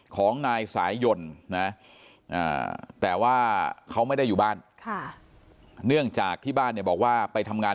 ของนายสายยนต์นะแต่ว่าเขาไม่ได้อยู่บ้านเนื่องจากที่บ้านเนี่ยบอกว่าไปทำงาน